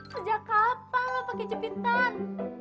sejak kapan lo pake cepitan